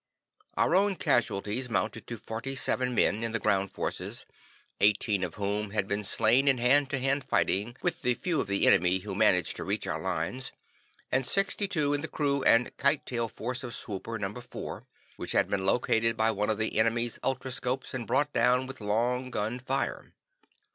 Our own casualties amounted to forty seven men in the ground forces, eighteen of whom had been slain in hand to hand fighting with the few of the enemy who managed to reach our lines, and sixty two in the crew and "kite tail" force of swooper No. 4, which had been located by one of the enemy's ultroscopes and brought down with long gun fire.